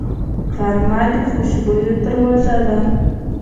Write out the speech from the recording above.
غرمه د خوشبویو دروازه ده